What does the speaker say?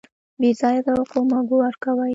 بې ځایه توقع مه ورکوئ.